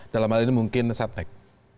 dalam hal ini mungkin setnek